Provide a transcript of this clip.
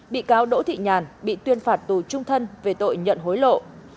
bị cáo đỗ thị nhàn bị tuyên phạt tù trung thân về tội nhận hối lộ